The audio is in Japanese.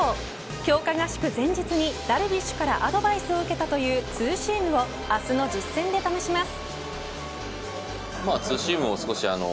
強化合宿前日にダルビッシュからアドバイスを受けたというツーシームを明日の実戦で試します。